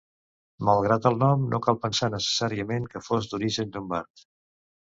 Malgrat el nom, no cal pensar necessàriament que fos d'origen llombard.